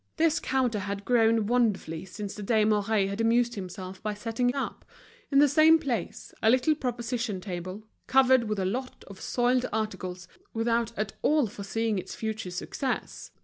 This counter had grown wonderfully since the day Mouret had amused himself by setting up, in the same place, a little proposition table, covered with a lot of soiled articles, without at all foreseeing its future success.